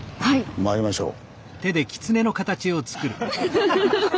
まいりましょう。